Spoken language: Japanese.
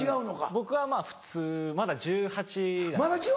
僕は普通まだ１８歳なんで。